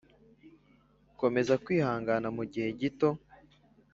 Komeza kwihangana mu gihe gito